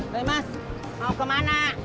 hei mas mau kemana